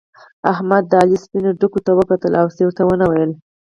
احمد د علي سپينو ډکو ته وکتل او څه يې ورته و نه ويل.